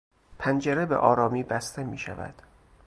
پنجره به آرامی بسته میشود.